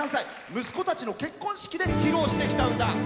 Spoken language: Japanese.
息子たちの結婚式で披露してきた歌。